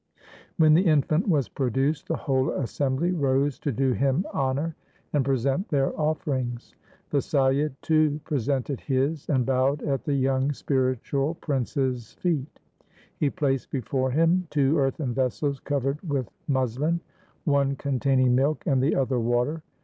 When the infant was produced, the whole assem bly rose to do him honour and present their offerings. The Saiyid too presented his, and bowed at the young spiritual prince's feet. He placed before him two earthen vessels covered with muslin, one con taining milk and the other water.